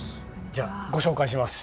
じゃご紹介します。